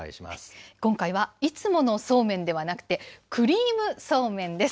今回は、いつものそうめんではなくて、クリームそうめんです。